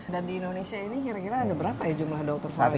di indonesia ini kira kira ada berapa ya jumlah dokter spesialis